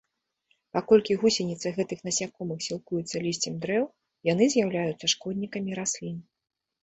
Паколькі гусеніцы гэтых насякомых сілкуюцца лісцем дрэў, яны з'яўляюцца шкоднікамі раслін.